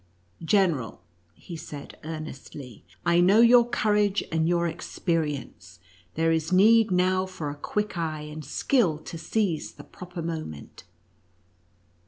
" General," he said, earnestly, " I know your courage and your experience ; there NUTCEACKES AND MOUSE KING. 41 is need now for a quick eye, and skill to seize the proper moment.